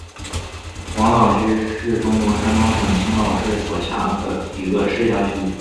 黄岛区是中国山东省青岛市所辖的一个市辖区。